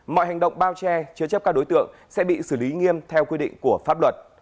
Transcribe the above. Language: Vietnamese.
mọi hành động bao che chứa chấp các đối tượng sẽ bị xử lý nghiêm theo quy định của pháp luật